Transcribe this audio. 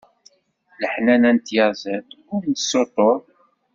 Leḥnana n tyaziḍt, ur nessuṭṭuḍ.